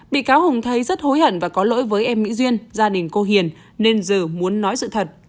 bị cáo hùng thấy rất hối hận và có lỗi với em mỹ duyên gia đình cô hiền nên giờ muốn nói sự thật